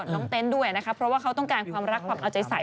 เต้นด้วยนะคะเพราะว่าเขาต้องการความรักความเอาใจใส